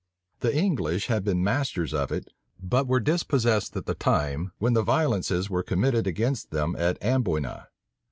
The English had been masters of it, but were dispossessed at the time when the violences were committed against them at Amboyna.